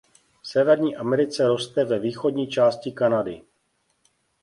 V Severní Americe roste ve východní části Kanady.